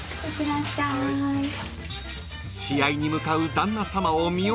［試合に向かう］